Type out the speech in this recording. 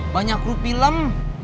banyak kru film